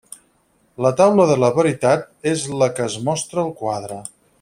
La taula de la veritat és la que es mostra al quadre.